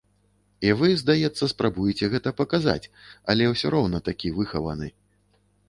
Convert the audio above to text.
І вы, здаецца, спрабуеце гэта паказаць, але ўсё роўна такі выхаваны.